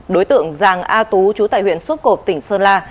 đối tượng giàng a tú chú tại huyện sốt cộp tỉnh sơn la